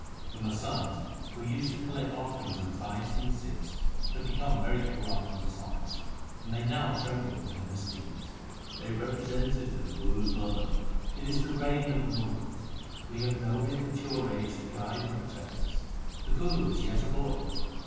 The masands, who used to collect offerings and tithes from the Sikhs, had become very corrupt and dishonest, and they now trembled for their misdeeds. They represented to the Guru's mother, ' It is the reign of the Mughals. We have nobody of mature age to guide and protect us. The Guru is yet a boy.